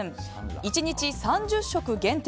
１日３０食限定。